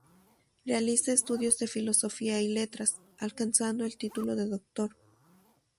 Realiza estudios de Filosofía y Letras, alcanzando el título de Doctor.